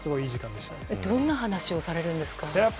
どんな話をされるんですか？